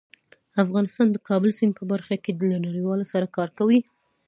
افغانستان د کابل سیند په برخه کې له نړیوالو سره کار کوي.